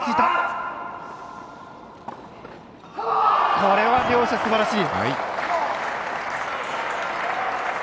これは両者すばらしい！